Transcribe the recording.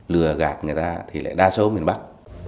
lừa gạt người ta thì lại đa số miền bắc